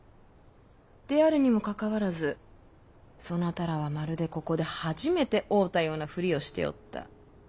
であるにもかかわらずそなたらはまるでここで初めて会うたようなふりをしておった。